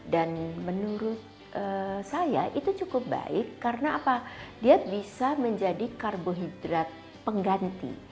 dan menurut saya itu cukup baik karena dia bisa menjadi karbohidrat pengganti